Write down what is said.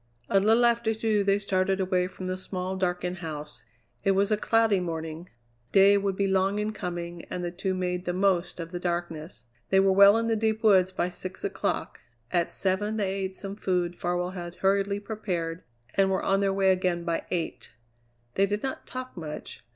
A little after two they started away from the small, darkened house. It was a cloudy morning; day would be long in coming, and the two made the most of the darkness. They were well in the deep woods by six o'clock; at seven they ate some food Farwell had hurriedly prepared, and were on their way again by eight. They did not talk much.